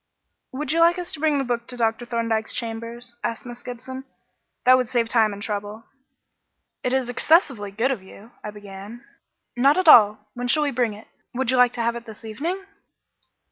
"Would you like us to bring the book to Dr. Thorndyke's chambers?" asked Miss Gibson. "That would save time and trouble." "It is excessively good of you " I began. "Not at all. When shall we bring it? Would you like to have it this evening?"